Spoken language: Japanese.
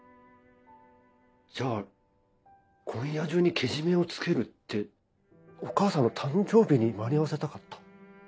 じゃあ「今夜中にケジメをつける」ってお母さんの誕生日に間に合わせたかった？